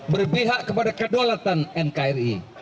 berpihak kepada kedulatan nkri